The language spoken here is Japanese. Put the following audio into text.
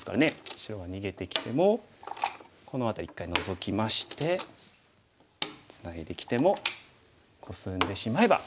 白は逃げてきてもこの辺り１回ノゾきましてツナいできてもコスんでしまえばどうでしょう？